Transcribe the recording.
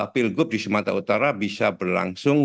pilgub di sumatera utara bisa berlangsung